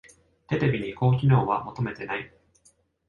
テレビに高機能は求めてない